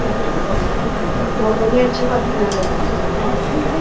Borgoina Etxeko azken erregea zen.